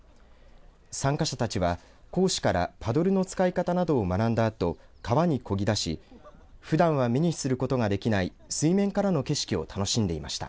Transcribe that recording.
参加者たちは、講師からパドルの使い方などを学んだあと川にこぎ出しふだんは目にすることができない水面からの景色を楽しんでいました。